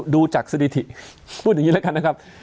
ดูจากสถิติพูดอย่างนี้แล้วกันนะครับ